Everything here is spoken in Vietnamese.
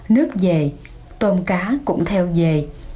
nước về tôm cá cũng theo về